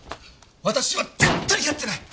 私は絶対やってない。